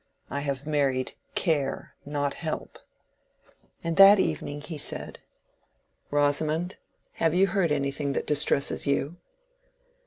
I have married care, not help." And that evening he said— "Rosamond, have you heard anything that distresses you?"